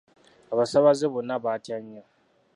Abasaabaze bonna baatya nnyo.